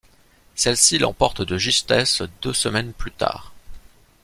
Celle-ci l’emporte de justesse deux semaines plus tard.